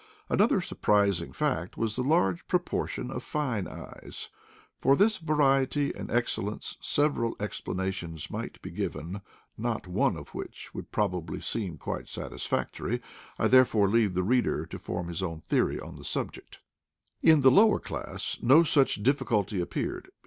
Another surpris ing fact was the large proportion of fine eyes. For this variety and excellence several explanations might be given, not one of which would probably seem quite satisfactory; I therefore leave the reader to form his own theory on the subject. 200 IDLE DAYS IN PATAGONIA Iq the lower class no such difficulty appeared.